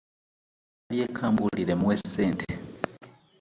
Eyamulabyeko ambuulire mmuwe ssente.